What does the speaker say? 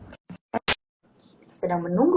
kita sedang menunggu